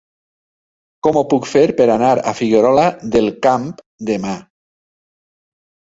Com ho puc fer per anar a Figuerola del Camp demà?